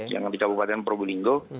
yang di kabupaten progulinggo